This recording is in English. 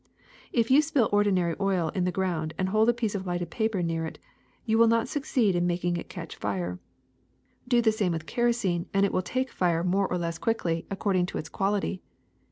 If you spill ordinary oil on the ground and hold a piece of lighted paper near it, you will not succeed in making it catch fire. Do the same with kerosene and it will take fire more or less 146 THE SECRET OF EVERYDAY THINGS quickly according to its quality.